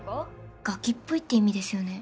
ガキっぽいって意味ですよね？